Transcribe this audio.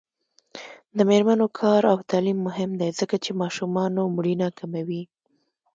د میرمنو کار او تعلیم مهم دی ځکه چې ماشومانو مړینه کموي.